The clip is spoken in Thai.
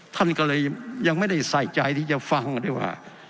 ท่านก็เลยยังไม่ได้ใส่ใจที่จะฟังได้ว่า